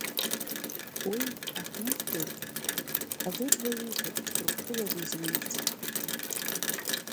Уи Аҳмыҭбеи адырра ииҭеит Ҭырқәтәыла дизнеирц.